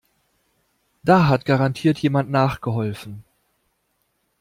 Da hat garantiert jemand nachgeholfen.